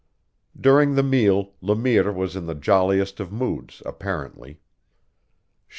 During the meal Le Mire was in the jolliest of moods apparently.